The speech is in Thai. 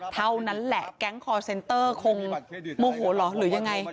เท่านั้นแหละแก๊งคอร์เซนเตอร์คงโมโหเหรอหรือยังไง